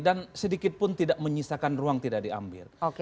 dan sedikit pun tidak menyisakan ruang tidak diambil